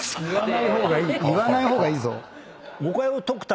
言わない方がいい。